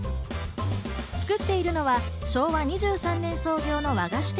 作っているのは昭和２３年創業の和菓子店。